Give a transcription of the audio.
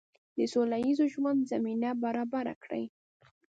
د سوله ییز ژوند زمینه برابره کړي.